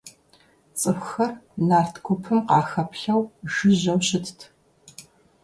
ЦӀыхухэр нарт гупым къахэплъэу жыжьэу щытт.